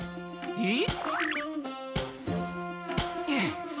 えっ？